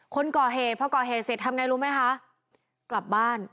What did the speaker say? คนก่อเหธพ่อก่อเหเธอเสร็จทำไงรู้ไหมค่ะ